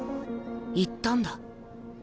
言ったんだ。